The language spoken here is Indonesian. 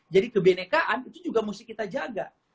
jadi kebenekaan itu juga mesti kita jaga